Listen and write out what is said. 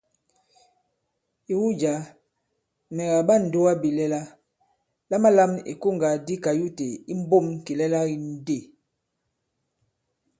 Ìwu jǎ, mɛ̀ kàɓa ǹdugabìlɛla, lamalam ìkoŋgà di kayute i mbǒm kìlɛla ki ndê.